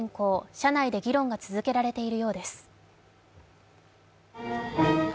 社内で議論が続けられているようです。